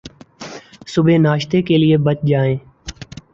صبح ناشتے کے لئے بچ جائیں